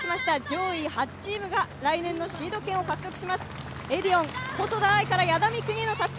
上位８チームが来年のシード権を獲得します。